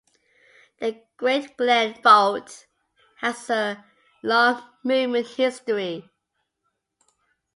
The Great Glen Fault has a long movement history.